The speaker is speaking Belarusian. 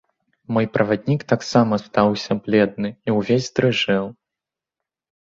Мой праваднік таксама стаўся бледны і ўвесь дрыжэў.